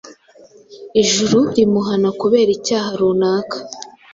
Ijuru rimuhana kubera icyaha runaka